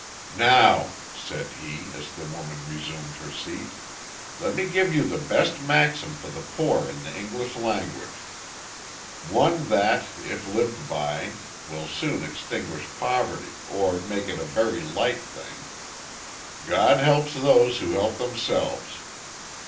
"Now," said he, as the woman resumed her seat, "let me give you the best maxim for the poor in the English language; one that, if lived by, will soon extinguish poverty, or make it a very light thing, 'God helps those who help themselves.'